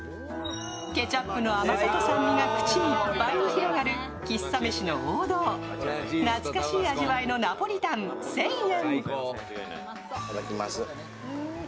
ケチャップと甘さと酸味が口いっぱいに広がる喫茶メシの王道、懐かしい味わいのナポリタン、１０００円。